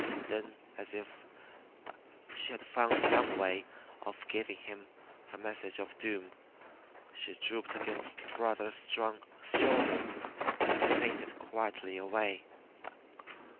Then as if she had found some way of giving him her message of doom, she drooped against brother's strong shoulder and fainted quietly away.